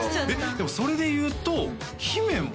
でもそれでいうと姫も？